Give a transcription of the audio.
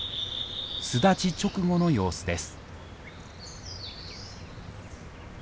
巣立ち直後の様子です。